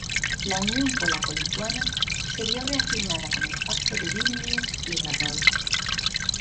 La unión polaco-lituana se vio reafirmada con el Pacto de Vilnius y Radom.